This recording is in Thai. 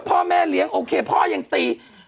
พ่อแม่เลี้ยงโอเคพ่อยังตี